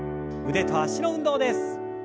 腕と脚の運動です。